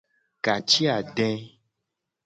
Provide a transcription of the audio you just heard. Ka ci ade.